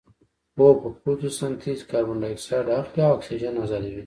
هو په فتوسنتیز کې کاربن ډای اکسایډ اخلي او اکسیجن ازادوي